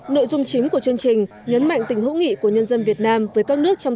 nội dung chính của chương trình nhấn mạnh tình hữu nghị của nhân dân việt nam với các nước trong